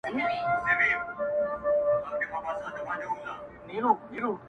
تا چي رنګ د ورور په وینو صمصام راوړ,